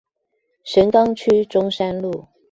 神岡區中山路